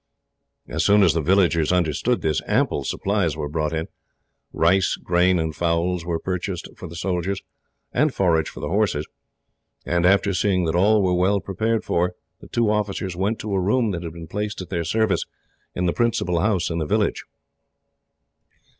As soon as the villagers understood this, ample supplies were brought in. Rice, grain, and fowls were purchased for the soldiers, and forage for the horses, and after seeing that all were well provided for, the two officers went to a room that had been placed at their service, in the principal house in the village.